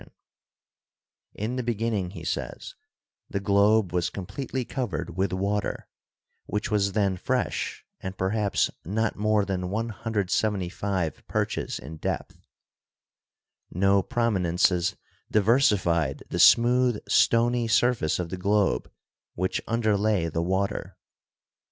GEOLOGY AND THE CHURCH 39 In the beginning, he says, the globe was completely covered with water, which was then fresh and perhaps not more than 175 perches in depth. No prominences diversified the smooth stony surface of the globe which underlay the water.